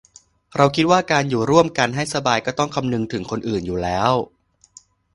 เราคิดว่าการอยู่ร่วมกันให้สบายก็ต้องคำนึงถึงคนอื่นอยู่แล้ว